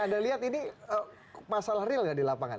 anda lihat ini masalah real gak di lapangan